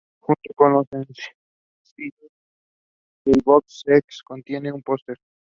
Ward was born in Mansfield.